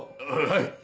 はい！